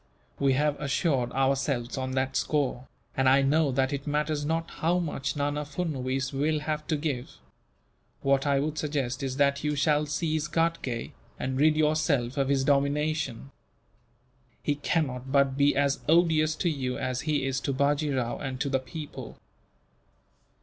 "We have assured ourselves on that score, and I know that it matters not how much Nana Furnuwees will have to give. What I would suggest is that you shall seize Ghatgay, and rid yourself of his domination. He cannot but be as odious to you as he is to Bajee Rao, and to the people."